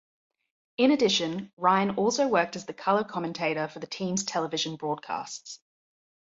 In addition, Rhine also worked as the color commentator for the team's television broadcasts.